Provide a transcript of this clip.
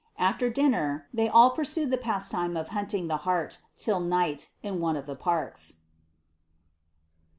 AfWr dinner, they all pursued the pastime of hunting Ae hart, till night, in one of the parks.